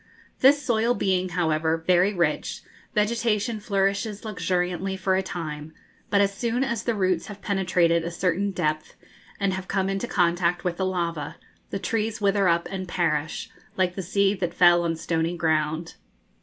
This soil being, however, very rich, vegetation flourishes luxuriantly for a time; but as soon as the roots have penetrated a certain depth, and have come into contact with the lava, the trees wither up and perish, like the seed that fell on stony ground.